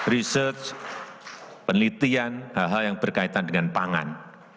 research penelitian hal hal yang berkaitan dengan pangan